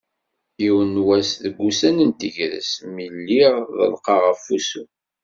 Yiwen n wass deg wussan n tegrest mi lliɣ ḍelqeɣ ɣef wussu.